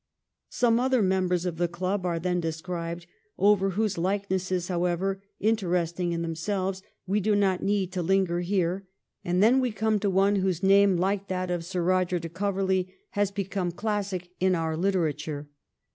Some other members of the club are then described over whose likenesses, however interesting in themselves, we do not need to linger here, and then we come to one whose name, like that of Sir Eoger de Coverley, has become classic in our litera ture.